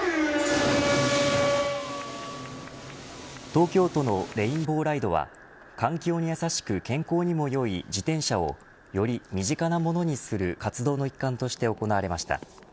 東京都のレインボーライドは環境に優しく健康にもよい自転車をより身近なものにする活動の一環として行われました。